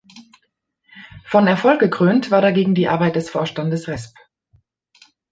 Von Erfolg gekrönt war dagegen die Arbeit des Vorstandes resp.